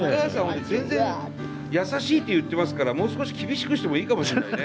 全然優しいって言ってますからもう少し厳しくしてもいいかもしれないね。